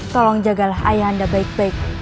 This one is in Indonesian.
tolong jagalah ayah anda baik baik